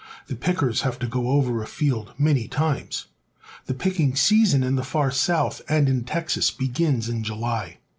The pickers have to go over a field many times. The picking season in the far South and in Texas begins in July.